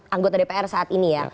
anggota dpr saat ini ya